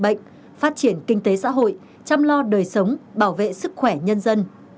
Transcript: bệnh phát triển kinh tế xã hội chăm lo đời sống bảo vệ sức khỏe nhân dân